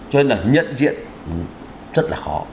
cho nên là nhận diện rất là khó